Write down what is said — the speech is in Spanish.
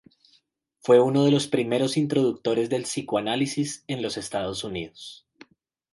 Fue uno de los primeros introductores del Psicoanálisis en los Estados Unidos.